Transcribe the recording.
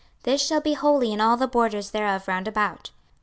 This shall be holy in all the borders thereof round about.